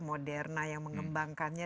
moderna yang mengembangkannya